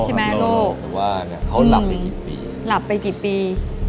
เขาหลับไปกี่ปีอเรนนี่มีคำว่าลับไปกี่ปี